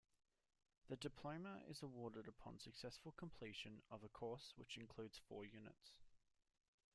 The diploma is awarded upon successful completion of a course which includes four units.